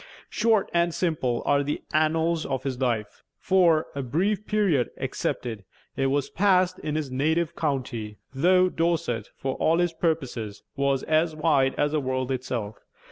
Short and simple are the annals of his life; for, a brief period excepted, it was passed in his native county though Dorset, for all his purposes, was as wide as the world itself.